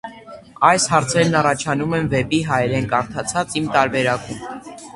Այս հարցերն առաջանում են վեպի հայերեն կարդացած իմ տարբերակում: